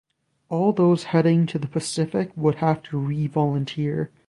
All those heading to the Pacific would have to re-volunteer.